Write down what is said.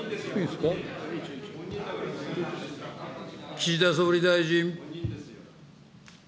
岸田総理大臣。